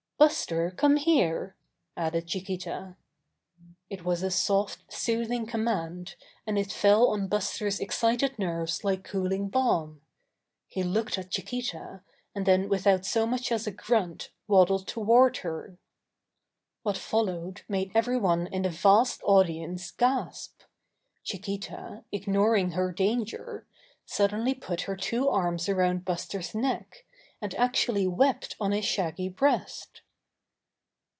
"Buster, come here!" added Chiquita. It was a soft, soothing command, and it fell on Buster's excited nerves like cooling balm. He looked at Chiquita, and then without so much as a grunt waddled toward her. What followed made every one in the vast audience gasp. Chiquita, ignoring her dan ger, suddenly put her two arms around Buster's neck, and actually wept on his shaggy breast.